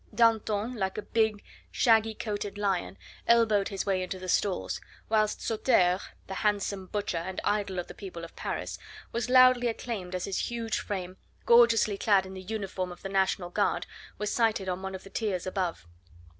Danton, like a big, shaggy coated lion, elbowed his way into the stalls, whilst Sauterre, the handsome butcher and idol of the people of Paris, was loudly acclaimed as his huge frame, gorgeously clad in the uniform of the National Guard, was sighted on one of the tiers above.